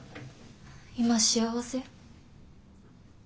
今幸せ？